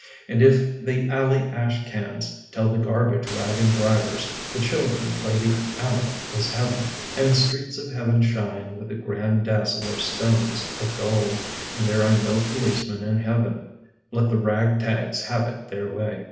And if the alley ash cans Tell the garbage wagon drivers The children play the alley is Heaven And the streets of Heaven shine With a grand dazzle of stones of gold And there are no policemen in Heaven — Let the rag tags have it their way.